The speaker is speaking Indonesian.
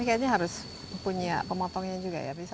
ini kayaknya harus punya pemotongnya juga ya bisa